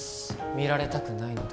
見られたくないので